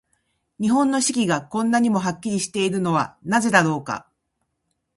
日本の四季が、こんなにもはっきりしているのはなぜだろうか。